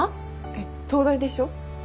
えっ東大でしょ？